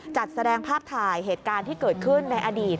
จัดแสดงภาพถ่ายเหตุการณ์ที่เกิดขึ้นในอดีต